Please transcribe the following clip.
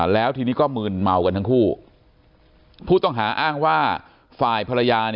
แล้วทีนี้ก็มืนเมากันทั้งคู่ผู้ต้องหาอ้างว่าฝ่ายภรรยา